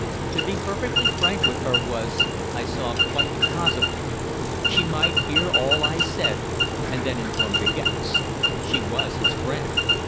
To be perfectly frank with her was, I saw, quite impossible. She might hear all I said and then inform De Gex. She was his friend.